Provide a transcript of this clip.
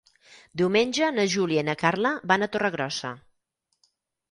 Diumenge na Júlia i na Carla van a Torregrossa.